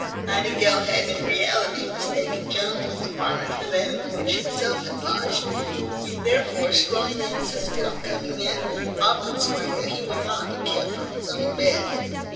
Nightingale had in reality mistaken Jones's apartment for that in which himself had lodged; he therefore strongly insisted on coming in, often swearing that he would not be kept from his own bed.